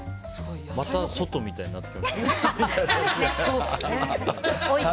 また外みたいになってきましたね。